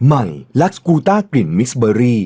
ใหม่ลักสกูต้ากลิ่นมิสเบอรี่